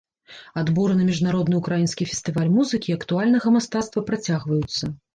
Адборы на міжнародны ўкраінскі фестываль музыкі і актуальнага мастацтва працягваюцца.